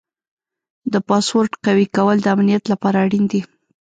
د پاسورډ قوي کول د امنیت لپاره اړین دي.